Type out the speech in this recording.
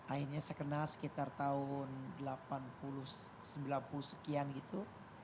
akhirnya saya kenal sekitar tahun delapan puluh sembilan puluh sekian gitu